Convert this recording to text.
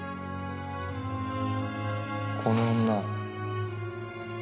この女。